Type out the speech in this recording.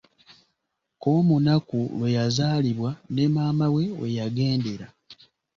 Komunaku lwe yazaalibwa ne maama we weyagendera.